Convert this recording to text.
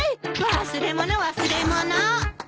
忘れ物忘れ物！